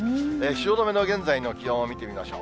汐留の現在の気温を見てみましょう。